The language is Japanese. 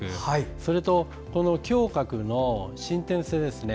それと、胸郭の伸展性ですね